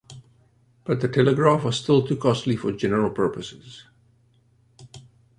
But the telegraph was still too costly for general purposes.